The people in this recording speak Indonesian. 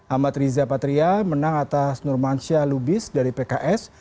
amat riza patria menang atas nurmansyah lubis dari pks